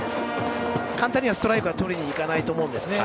簡単にはストライクをとりにいかないと思うんですね。